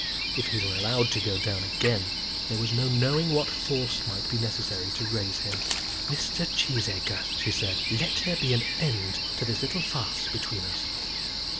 If he were allowed to go down again, there was no knowing what force might be necessary to raise him. "Mr. Cheesacre," she said, "let there be an end to this little farce between us."